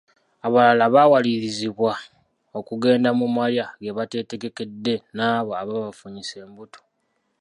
Abalala bawalirizibbwa okugenda mu malya ge bateetegekedde nabo abaabafunyisa embuto.